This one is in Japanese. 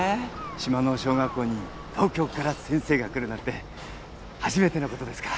島の小学校に東京から先生が来るなんて初めてのことですから。